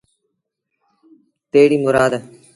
تيڙيٚ مُرآد